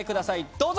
どうぞ！